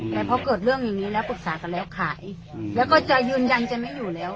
แต่พอเกิดเรื่องอย่างนี้แล้วปรึกษากันแล้วขายแล้วก็จะยืนยันจะไม่อยู่แล้ว